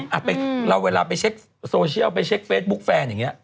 คุณดูอะเป็นเราเวลาเป็นเช็คโซเชียลเฟซบุ๊คแฟนอย่างเนี้ย